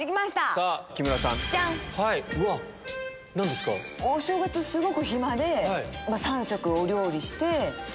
すごく暇で３食お料理して。